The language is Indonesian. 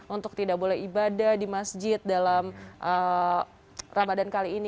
untuk tidak boleh ibadah di masjid dalam ramadhan kali ini